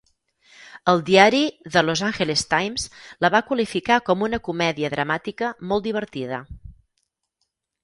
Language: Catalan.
El diari The Los Angeles Times la va qualificar com "una comèdia dramàtica molt divertida".